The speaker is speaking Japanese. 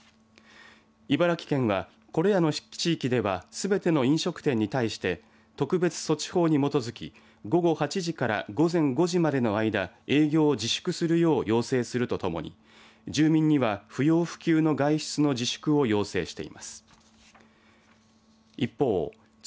茨城県は、これらの地域ではすべての飲食店に対して特別措置法に基づき午後８時から午前５時までの間営業を自粛するよう要請するとともに住民には、不要不急の外出の自粛を要請しています。